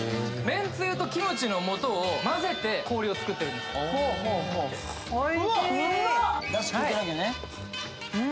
めんつゆとキムチの素を混ぜて氷を作ってるんですほうほうほう